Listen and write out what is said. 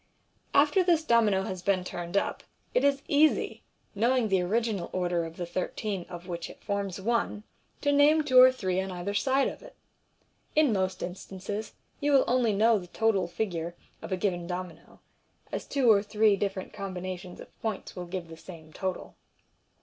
After this domino has been turned up, it is easy, knowing the original order of the thirteen of which it forms one, to name two or three on either side of it. In most instances you will only know the total figure of a given domino, as two or three different combina tion of points will give the same total.